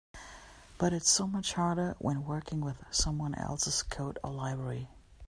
But it's much harder when working with someone else's code or library.